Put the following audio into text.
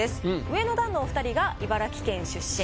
上の段のお２人が茨城県出身。